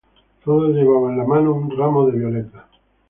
Todos llevaban en la mano un ramo de violetas.